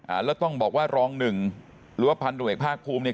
แล้วต้องบอกว่ารองหนึ่งหรือว่าพันธุเอกภาคภูมิเนี่ย